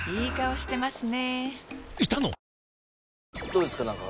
どうですか？